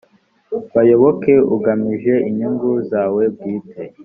bayoboke ugamije inyungu zawe bwite